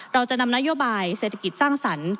เราจะนำนโยบายเศรษฐกิจสร้างสรรค์